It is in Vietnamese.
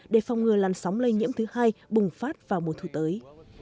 để phòng ngừa làn sóng lây nhiễm thứ hai bùng phát vào mùa thu tới